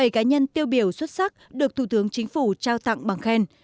bảy cá nhân tiêu biểu xuất sắc được thủ tướng chính phủ trao tặng bằng khen